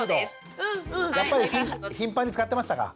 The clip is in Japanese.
やっぱり頻繁に使ってましたか？